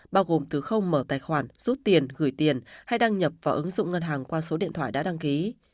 bao gồm từ không mở tài khoản rút tiền gửi tiền hay đăng nhập vào ứng dụng ngân hàng qua số điện thoại đã đăng ký